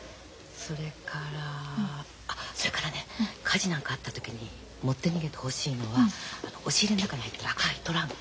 それからあそれからね火事なんかあった時に持って逃げてほしいのは押し入れの中に入ってる赤いトランク。